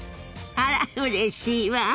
あらうれしいわ。